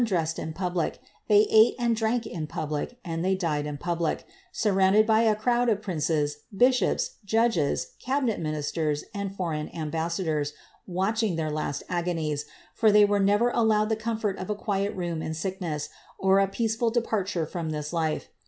359 dressed in public, they ate and drank in public, and they died in public, surrounded by a crowd of princes, bishops, judges, cabinet ministers, and foreign ambassadors, watching their last agonies, for they were never allowed the comfort of a quiet room in sickness, or a peaceful departure from tilts life.